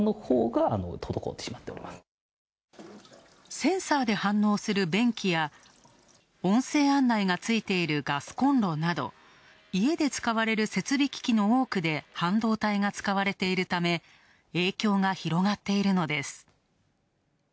センサーで反応する便器や、音声案内がついているガスコンロなど、家で使われる設備機器の多くで、半導体が使われているため影響が広がっているのです。